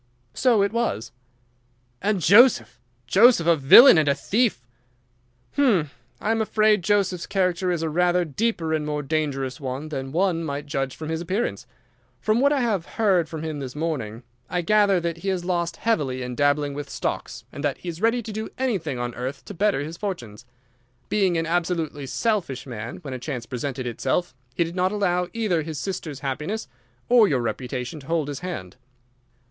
"So it was." "And Joseph! Joseph a villain and a thief!" "Hum! I am afraid Joseph's character is a rather deeper and more dangerous one than one might judge from his appearance. From what I have heard from him this morning, I gather that he has lost heavily in dabbling with stocks, and that he is ready to do anything on earth to better his fortunes. Being an absolutely selfish man, when a chance presented itself he did not allow either his sister's happiness or your reputation to hold his hand."